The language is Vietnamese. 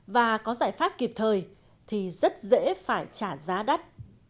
và có giải pháp kịp thời thì rất dễ phải trả giá đắt